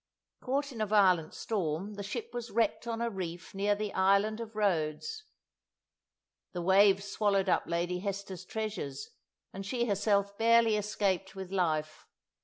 Caught in a violent storm, the ship was wrecked on a reef near the island of Rhodes. The waves swallowed up Lady Hester's treasures, and she herself barely escaped with life.